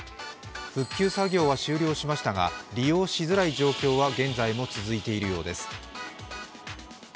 復旧作業は終了しましたが、利用しづらい状況は現在も続いているようです。